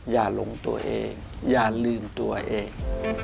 หลงตัวเองอย่าลืมตัวเอง